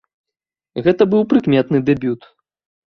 Гэта быў прыкметны дэбют.